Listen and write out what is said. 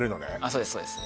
そうですそうです